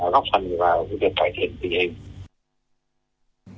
góp phần vào việc cải thiện tình hình